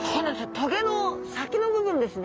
棘の先の部分ですね。